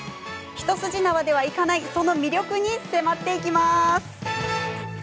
一筋縄ではいかないその魅力に迫っていきます。